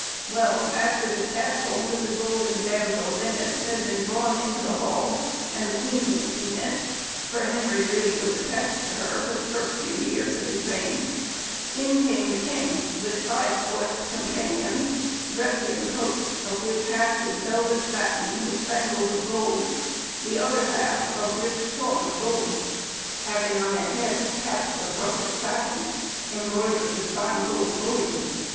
Well, after this castle, with the golden damsels in it, had been drawn about the hall, and the queen had seen it, (for Henry really was attached to her for the first few years of his reign,) in came the king with five select companions, dressed in coats, of which half was of velvet satin, with spangles of gold, the other half of rich cloth of gold, having on their heads caps of russet satin, embroidered with fine gold bullion.